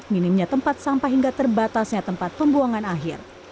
minimnya tempat sampah hingga terbatasnya tempat pembuangan akhir